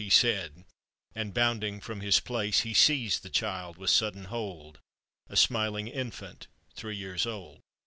He said, and bounding from his place, He seized the child with sudden hold — A smiling infant three years old.